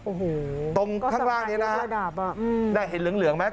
โอ้โหก็สะพานยกระดับตรงข้างล่างนี้นะครับได้เห็นเหลืองไหม